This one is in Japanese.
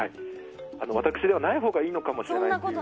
私ではないほうがいいのかもしれません。